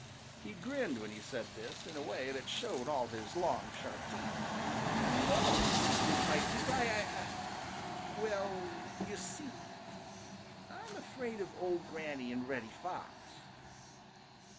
He grinned when he said this in a way that showed all his long sharp teeth. "No," replied Peter, "I I well, you see, I'm afraid of Old Granny and Reddy Fox."